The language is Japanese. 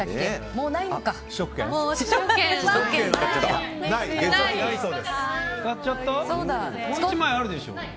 もう１枚あるでしょ？